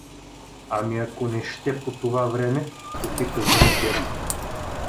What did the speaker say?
— Ами ако не ще по това време? — попита заптието.